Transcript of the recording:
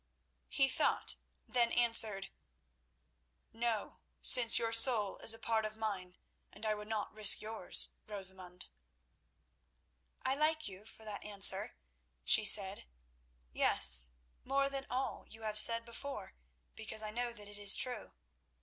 He thought. Then answered: "No; since your soul is a part of mine, and I would not risk yours, Rosamund." "I like you for that answer," she said. "Yes; more than for all you have said before, because I know that it is true.